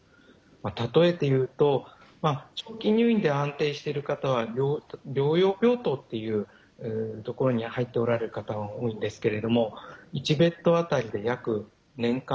例えて言うと長期入院で安定してる方は療養病棟っていうところに入っておられる方が多いんですけれども１ベッドあたりで約年間４００万円